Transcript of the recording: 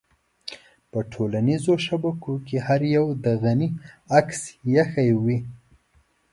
په ټولنيزو شبکو کې هر يوه د غني عکس اېښی وي.